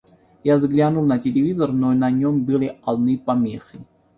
Я взглянул на телевизор, но на нём были одни помехи.